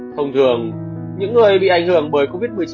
thông thường những người bị ảnh hưởng bởi covid một mươi chín